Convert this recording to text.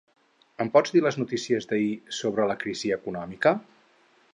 Em pots dir les notícies d'ahir sobre la crisi econòmica?